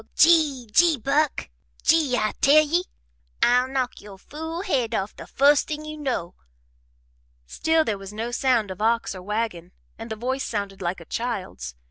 Gee Gee Buck, Gee, I tell ye! I'll knock yo' fool head off the fust thing you know!" Still there was no sound of ox or wagon and the voice sounded like a child's.